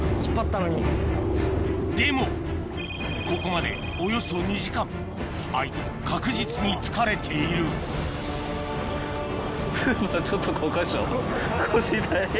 でもここまでおよそ２時間相手も確実に疲れている腰痛い。